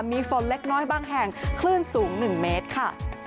มีฝนเล็กน้อยบางแห่งคลื่นสูง๑เมตรค่ะ